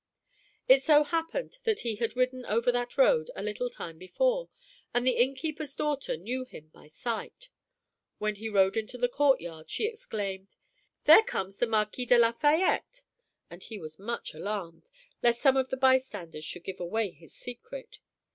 It so happened that he had ridden over that road a little time before, and the innkeeper's daughter knew him by sight. When he rode into the courtyard she exclaimed, "There comes the Marquis de Lafayette!" and he was much alarmed, lest some of the bystanders should give away his secret.